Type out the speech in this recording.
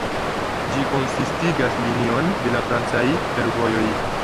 Ĝi konsistigas linion de la francaj fervojoj.